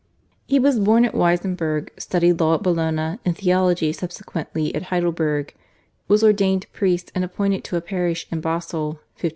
He was born at Weisnberg, studied law at Bologna and theology subsequently at Heidelberg, was ordained priest, and appointed to a parish in Basle (1512).